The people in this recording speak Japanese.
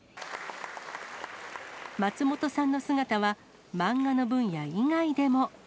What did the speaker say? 松本さんの姿は、漫画の分野以外でも。